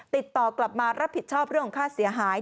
ติดต่อกลับมารับผิดชอบเรื่องของค่าเสียหาย